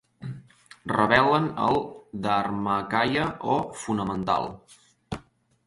Revelen el dharmakaya o fonamental.